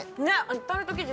タルト生地